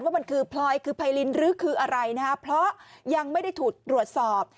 ว่ามันคือพลอยคือไพรินหรือคืออะไรนะครับเพราะยังไม่ได้ถูกตรวจสอบ